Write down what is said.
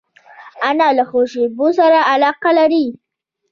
انا له خوشبو سره علاقه لري